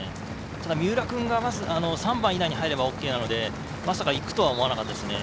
ただ、三浦君が３番以内に入ればＯＫなのでまさかいくとは思わなかったですね。